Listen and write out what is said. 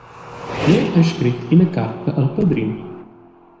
Jeu hai scret ina carta al padrin.